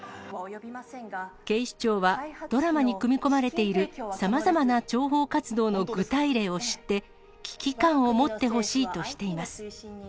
警視庁は、ドラマに組み込まれているさまざまな諜報活動の具体例を知って、危機感を持ってほしいとしています。